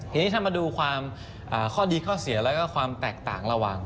ทีนี้ถ้ามาดูความข้อดีข้อเสียแล้วก็ความแตกต่างระหว่าง